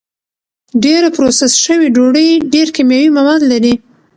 ډېره پروسس شوې ډوډۍ ډېر کیمیاوي مواد لري.